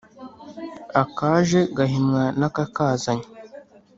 Akaje gahimwa n’akakazanye.